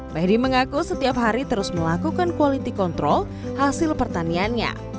mehdi mengaku setiap hari terus melakukan quality control hasil pertaniannya